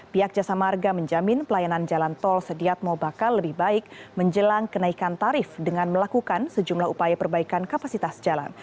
pihak jasa marga menjamin pelayanan jalan tol sediatmo bakal lebih baik menjelang kenaikan tarif dengan melakukan sejumlah upaya perbaikan kapasitas jalan